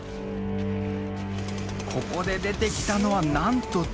ここで出てきたのはなんと！